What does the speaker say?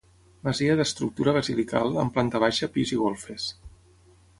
Masia d'estructura basilical amb planta baixa, pis i golfes.